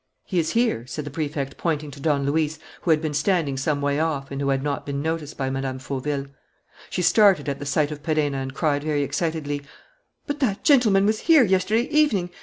"He is here," said the Prefect, pointing to Don Luis, who had been standing some way off and who had not been noticed by Mme. Fauville. She started at the sight of Perenna and cried, very excitedly: "But that gentleman was here yesterday evening!